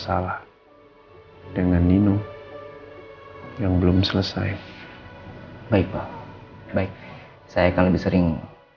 salah dengan nino yang belum selesai baik pak baik saya akan lebih sering